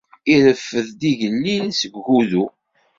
Ireffed-d igellil seg ugudu.